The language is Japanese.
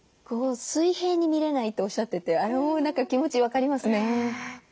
水平に見れないとおっしゃっててあれも何か気持ち分かりますね。